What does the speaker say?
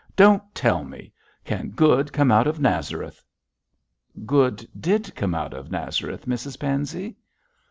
don't tell me! Can good come out of Nazareth?' 'Good did come out of Nazareth, Mrs Pansey.'